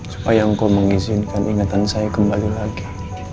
supaya engkau mengizinkan ingatan saya kembali lagi